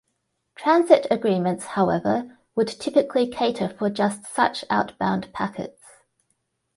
Transit agreements however would typically cater for just such outbound packets.